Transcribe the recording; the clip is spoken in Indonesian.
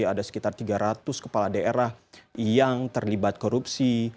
ada sekitar tiga ratus kepala daerah yang terlibat korupsi